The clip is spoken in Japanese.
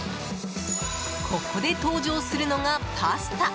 ここで登場するのが、パスタ。